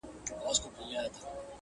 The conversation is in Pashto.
د اباسین څپې دي یوسه کتابونه،